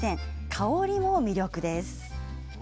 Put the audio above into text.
香りも魅力です。